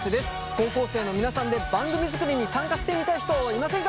高校生の皆さんで番組作りに参加してみたい人いませんか？